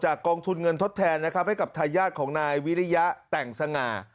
กองทุนเงินทดแทนนะครับให้กับทายาทของนายวิริยะแต่งสง่า